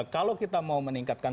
kalau kita mau meningkatkan